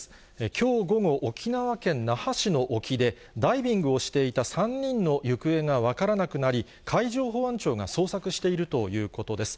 きょう午後、沖縄県那覇市の沖で、ダイビングをしていた３人の行方が分からなくなり、海上保安庁が捜索しているということです。